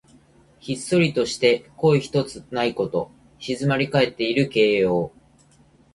ひっそりとして声ひとつないこと。静まりかえっている形容。